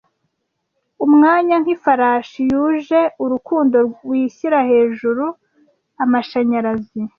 Umwanya nk'ifarashi, yuje urukundo, wishyira hejuru, amashanyarazi,